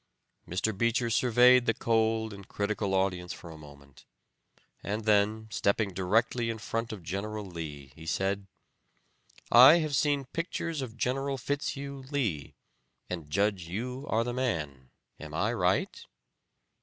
Mr. Beecher surveyed the cold and critical audience for a moment, and then stepping directly in front of General Lee, he said, 'I have seen pictures of General Fitz Hugh Lee, and judge you are the man; am I right?'